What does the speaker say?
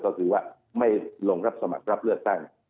ก็คือว่าไม่ลงรับสมัครรับเลือกตั้ง